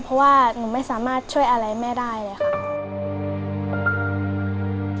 เพราะว่าหนูไม่สามารถช่วยอะไรแม่ได้เลยค่ะ